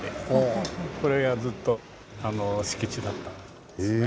これがずっと敷地だったんですね。